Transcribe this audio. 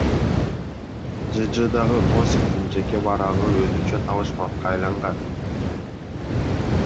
ЖЖдагы Носиктин жеке барагы өзүнчө табышмакка айланган.